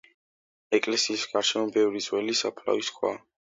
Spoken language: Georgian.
ეკლესიის გარშემო ბევრი ძველი საფლავის ქვაა.